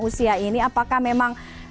usia ini apakah memang